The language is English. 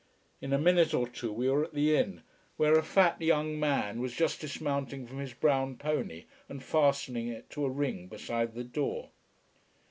In a minute or two we were at the inn, where a fat, young man was just dismounting from his brown pony and fastening it to a ring beside the door.